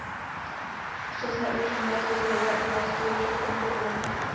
Přesné určení této zdrojové oblasti je však komplikované.